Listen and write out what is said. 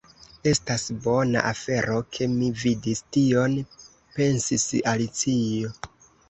"Estas bona afero ke mi vidis tion," pensis Alicio.